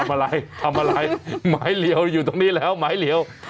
ทำอะไรทำอะไรหมายเหลียวอยู่ตรงนี้แล้วหมายเหลียว